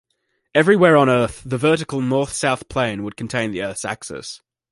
Everywhere on Earth the vertical north-south plane would contain the Earth's axis.